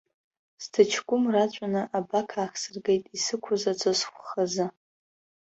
Сҭаҷкәым раҵәаны абақ аахсыргеит исықәыз аҵысхә хыза.